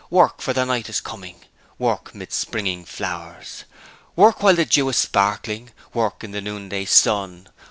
Work! for the night is coming, Work 'mid springing flowers. 'Work while the dew is sparkling, Work in the noonday sun!